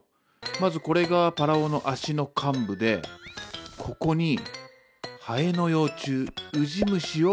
まずこれがパラオの足の患部でここにハエの幼虫ウジ虫を置いておく。